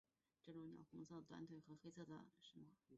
这种鸟有着红色的短腿和黑色的喙。